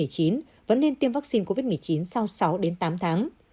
sau sáu tám tháng